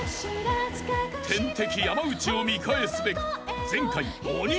［天敵山内を見返すべく］